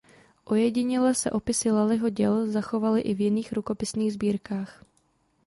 Ojediněle se opisy Lullyho děl zachovaly i v jiných rukopisných sbírkách.